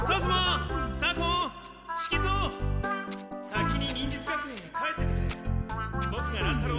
先に忍術学園へ帰っててくれ。